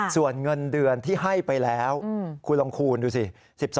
ส่วนเงินเดือนที่ให้ไปแล้วคุณลองคูณดูสิ